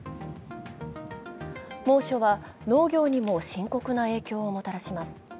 猛暑は農業にも深刻な影響をもたらします。